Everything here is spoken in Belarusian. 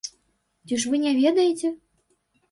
Ці ж вы не ведаеце?